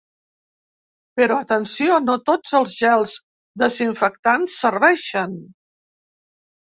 Però atenció, no tots els gels desinfectants serveixen.